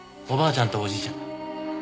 ちゃんとおじいちゃんだ。